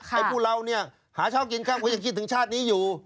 ไอ้ผู้เราเนี่ยหาเช้ากินข้างก็คิดถึงชาตินี้อยู่